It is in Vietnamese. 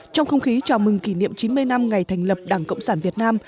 trong không khí chào mừng kỷ niệm chín mươi năm ngày thành lập đảng cộng sản việt nam